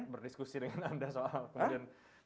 berdiskusi dengan anda soal kemudian